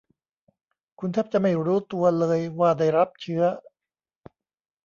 คุณแทบจะไม่รู้ตัวเลยว่าได้รับเชื้อ